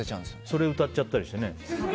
それ歌っちゃったりしてね。